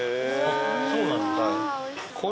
そうなんですか。